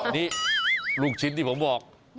นี่ลูกชิ้นที่ผมบอก